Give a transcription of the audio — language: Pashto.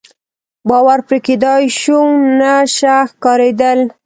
باور پرې کېدای شو، نشه ښکارېدل.